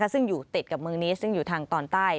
ซึ่งอยู่ติดกับเมืองนี้ซึ่งอยู่ทางตอนใต้